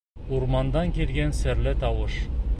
УРМАНДАН КИЛГӘН СЕРЛЕ ТАУЫШ